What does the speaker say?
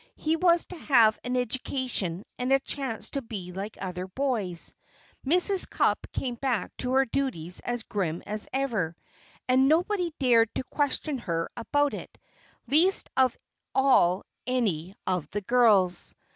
He was to have an education and a chance to be like other boys. Mrs. Cupp came back to her duties as grim as ever, and nobody dared to question her about it, least of all any of the girls.